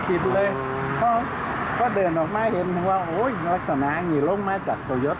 ชุดโรงพยาบาลตีนที่ประวัติธรรมไทย